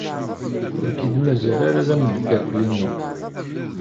Ur k-id-mazal ara d ameddakel-inu.